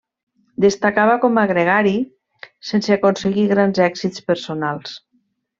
Destacava com a gregari, sense aconseguir grans èxits personals.